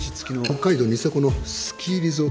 北海道ニセコのスキーリゾート。